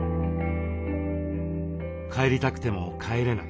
帰りたくても帰れない。